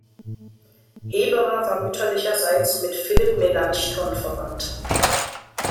Heberer war mütterlicherseits mit Philipp Melanchthon verwandt.